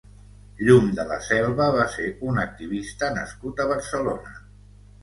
Llum de la Selva va ser un activista nascut a Barcelona.